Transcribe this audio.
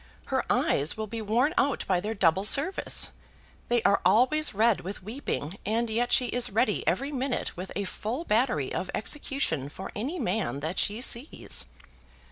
Her eyes will be worn out by their double service. They are always red with weeping, and yet she is ready every minute with a full battery of execution for any man that she sees."